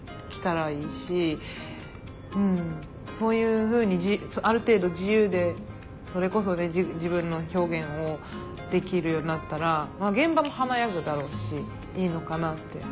そういうふうにある程度自由でそれこそ自分の表現をできるようになったら現場も華やぐだろうしいいのかなって。